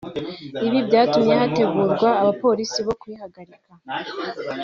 Ibi byatumye hategurwa abapolisi bo kuyihagarika